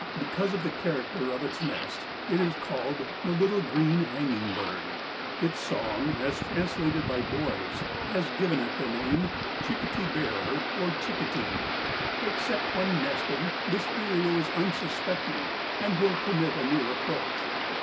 Because of the character of its nest it is called the "little green hanging bird." Its song, as translated by boys, has given it the name "chickty bearer," or "chickity." Except when nesting this vireo is unsuspecting and will permit a near approach.